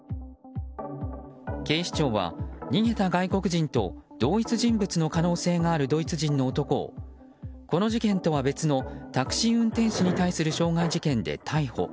警視庁は、逃げた外国人と同一人物の可能性のあるドイツ人の男をこの事件とは別のタクシー運転手に対する傷害事件で逮捕。